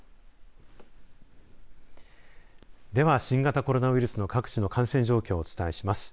では、新型コロナウイルスの各地の感染状況をお伝えします。